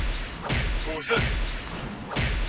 Wwtet!